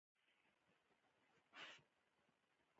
بيټسمېن د رن جوړولو هڅه کوي.